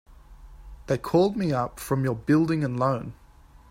They called me up from your Building and Loan.